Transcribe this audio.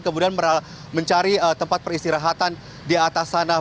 kemudian mencari tempat peristirahatan di atas sana